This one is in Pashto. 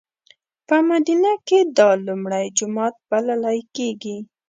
په مدینه کې دا لومړی جومات بللی کېږي.